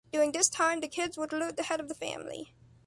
During this time the kids would alert the head of the family.